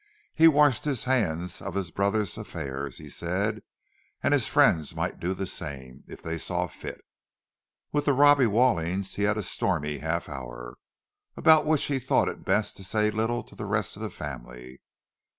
He washed his hands of his brother's affairs, he said; and his friends might do the same, if they saw fit. With the Robbie Wallings he had a stormy half hour, about which he thought it best to say little to the rest of the family.